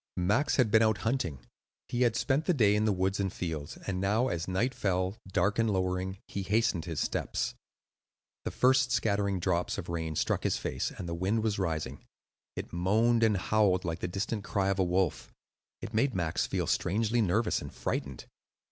Max had been out hunting. He had spent the day in the woods and fields, and now as night fell, dark and lowering, he hastened his steps. The first scattering drops of rain struck his face, and the wind was rising. It moaned and howled like the distant cry of a wolf; it made Max feel strangely nervous and frightened.